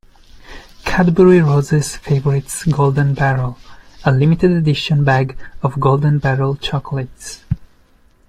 Cadbury Roses Favourites Golden Barrel: a limited edition bag of Golden Barrel chocolates.